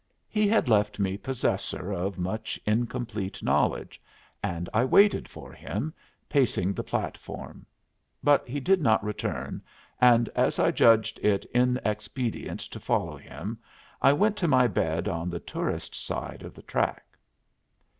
He had left me possessor of much incomplete knowledge, and I waited for him, pacing the platform; but he did not return, and as I judged it inexpedient to follow him, I went to my bed on the tourist side of the track.